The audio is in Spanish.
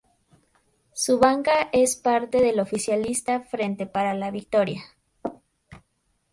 Su banca es parte del oficialista Frente para la Victoria.